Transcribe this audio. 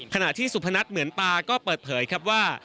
ขณะที่สุพนัทเหมือนตาก็เปิดเผยครับว่า